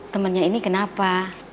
temannya ini kenapa